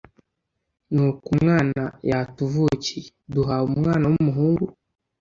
Nuko umwana yatuvukiye, duhawe umwana w'umuhungu,